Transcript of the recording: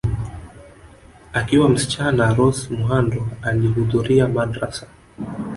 Akiwa msichana Rose Muhando alihudhuria madrasa